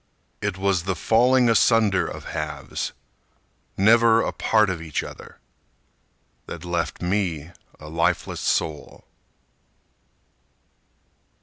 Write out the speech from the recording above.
It was the falling asunder of halves, Never a part of each other, That left me a lifeless soul.